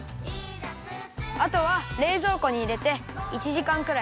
あとはれいぞうこにいれて１じかんくらいかためるよ。